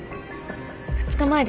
２日前です。